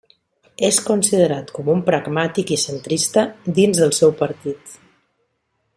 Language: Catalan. És considerat com un pragmàtic i centrista dins del seu partit.